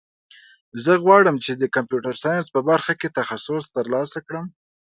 زه غواړم چې د کمپیوټر ساینس په برخه کې تخصص ترلاسه کړم